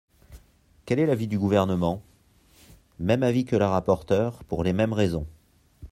Quel est l’avis du Gouvernement ? Même avis que la rapporteure, pour les mêmes raisons.